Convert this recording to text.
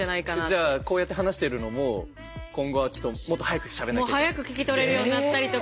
じゃあこうやって話してるのも今後はもっとはやくしゃべんなきゃ？早く聞き取れるようになったりとか。